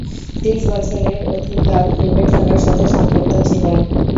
ত্রিশ বছরের অধিককাল ক্রিকেট খেলার সাথে সম্পৃক্ত ছিলেন।